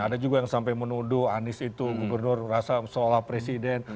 ada juga yang sampai menuduh anies itu gubernur merasa seolah presiden